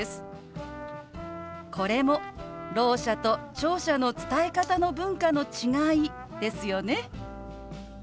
これもろう者と聴者の伝え方の文化の違いですよね。